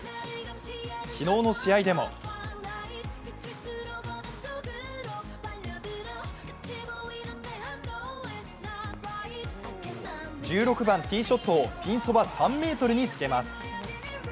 昨日の試合でも１６番、ティーショットをピンそば３ｍにつけます。